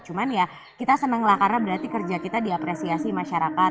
cuman ya kita senang lah karena berarti kerja kita diapresiasi masyarakat